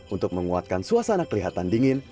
untuk menguatkan suasana kelihatan dingin